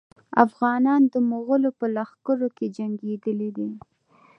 افغانان د مغولو په لښکرو کې جنګېدلي دي.